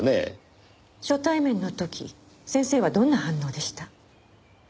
初対面の時先生はどんな反応でした？